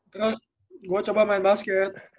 terus gue coba main basket